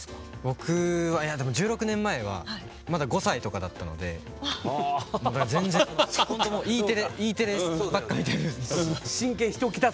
僕は１６年前はまだ５歳とかだったので全然、Ｅテレばっかり見てた。